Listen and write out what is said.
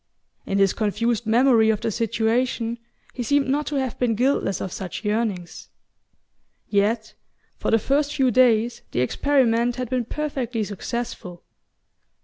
In his confused memory of the situation he seemed not to have been guiltless of such yearnings...Yet for the first few days the experiment had been perfectly successful.